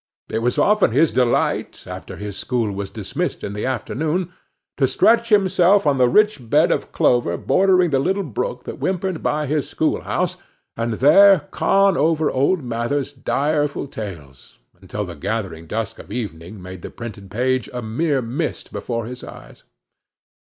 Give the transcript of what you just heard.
It was often his delight, after his school was dismissed in the afternoon, to stretch himself on the rich bed of clover bordering the little brook that whimpered by his schoolhouse, and there con over old Mather's direful tales, until the gathering dusk of evening made the printed page a mere mist before his eyes.